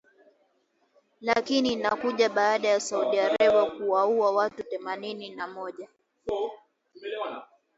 lakini inakuja baada ya Saudi Arabia kuwaua watu themanini na moja